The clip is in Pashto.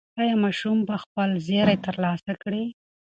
ایا ماشوم به خپل زېری ترلاسه کړي؟